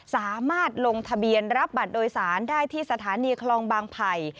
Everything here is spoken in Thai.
สามารถลงทะเบียนรับบัตรโดยสารได้ที่สถานีคลองบางไผ่